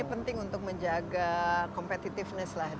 ini penting untuk menjaga competitiveness lah